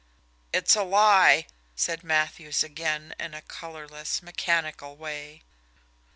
"It's a lie!" said Matthews again, in a colourless, mechanical way.